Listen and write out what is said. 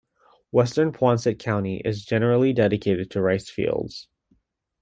Western Poinsett County is generally dedicated to rice fields.